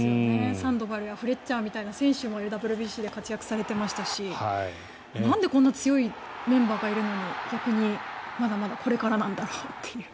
サンドバルやフレッチャーなどの選手もＷＢＣで活躍されてましたしなんでこんな強いメンバーがいるのに逆にまだまだこれからなんだろうっていう。